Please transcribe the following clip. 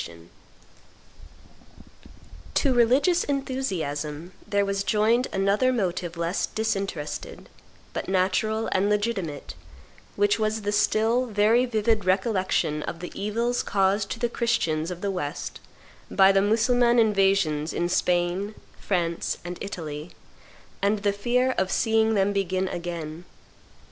[Illustration: The Four Leaders of the First Crusade 385] To religious enthusiasm there was joined another motive less disinterested, but natural and legitimate, which was the still very vivid recollection of the evils caused to the Christians of the West by the Mussulman invasions in Spain, France, and Italy, and the fear of seeing them begin again.